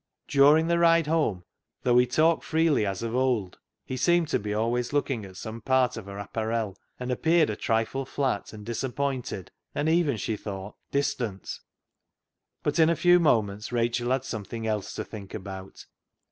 During the ride home, though he talked freely as of old, he seemed to be always looking at some part of her apparel, and appeared a trifle flat and dis appointed, and even, she thought, distant. But in a few moments Rachel had some thing else to think about.